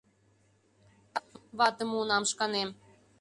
Ватым муынам шканем